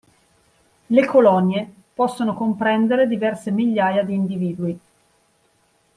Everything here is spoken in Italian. Le colonie possono comprendere diverse migliaia di individui.